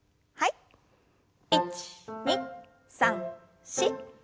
１２３４。